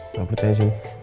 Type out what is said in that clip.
orang percaya sini